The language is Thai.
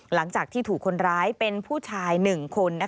หลังจากที่ถูกคนร้ายเป็นผู้ชาย๑คน